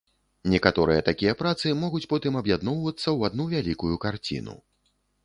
Некаторыя такія працы могуць потым аб'ядноўвацца ў адну вялікую карціну.